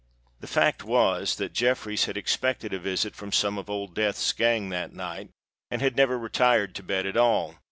The fact was that Jeffreys had expected a visit from some of Old Death's gang that night, and had never retired to bed at all.